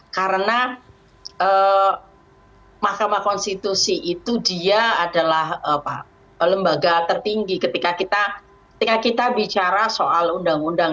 karena mahkamah konstitusi itu dia adalah lembaga tertinggi ketika kita bicara soal undang undang